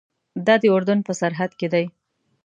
دا د اردن په سرحد کې دی.